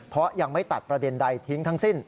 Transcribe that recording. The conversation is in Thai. เพราะยังไม่ตัดประเด็นใดทิ้งทั้งสิ้น